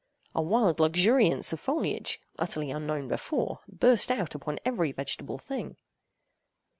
A wild luxuriance of foliage, utterly unknown before, burst out upon every vegetable thing.